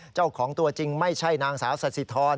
เจ้าของตัวจริงไม่ใช่นางสาวสัสสิทร